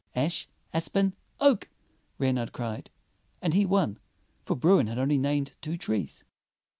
"Ash, aspen, oak," Reynard cried; and he won, for Bruin had only named two trees.